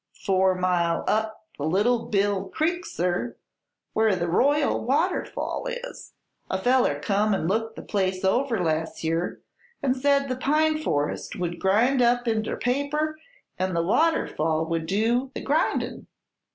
"Four mile up the Little Bill Creek, sir, where the Royal Waterfall is. A feller come an' looked the place over las' year an' said the pine forest would grind up inter paper an' the waterfall would do the grindin'.